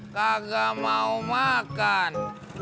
kagak mau makan